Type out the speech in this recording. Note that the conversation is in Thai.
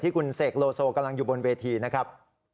คุณเสกโลโซกำลังอยู่บนเวทีนะครับ